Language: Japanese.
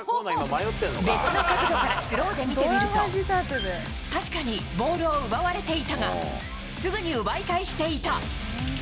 別の角度からスローで見てみると、確かにボールを奪われていたが、すぐに奪い返していた。